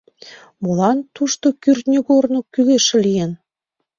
Молан тушто кӱртньыгорно кӱлеш лийын?